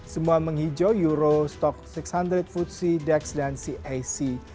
semua menghijau eurostock enam ratus futsi dex dan cac